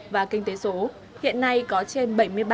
và kinh tế số hiện nay có trên